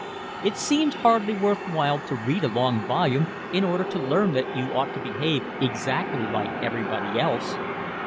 It seemed hardly worth while to read a long volume in order to learn that you ought to behave exactly like everybody else.